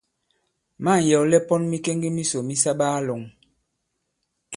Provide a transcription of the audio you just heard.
Ma᷇ŋ yɛ̀wlɛ pɔn mikeŋge misò mi sa baa-lɔ̄ŋ.